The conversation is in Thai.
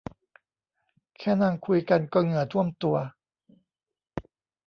แค่นั่งคุยกันก็เหงื่อท่วมตัว